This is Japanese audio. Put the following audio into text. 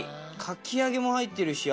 かき揚げも入ってるし